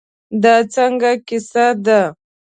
دا څنګه کیسه ده.